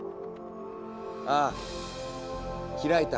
ああ開いた。